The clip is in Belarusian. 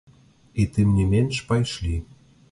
І, тым не менш, пайшлі.